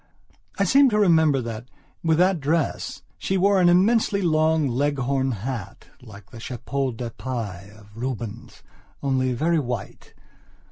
I seem to remember that, with that dress, she wore an immensely broad Leghorn hatlike the Chapeau de Paille of Rubens, only very white.